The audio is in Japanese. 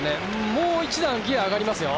もう一段、ギヤが上がりますよ。